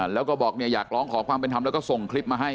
แล้วก็บอกอยากร้องขอความเป็นธรรมแล้วก็ส่งคลิปมาให้